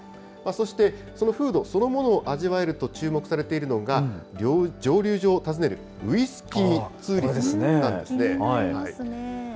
そしてその風土そのものを味わえると注目されているのが、蒸留所を訪ねるウイスキーツーリズムなんですね。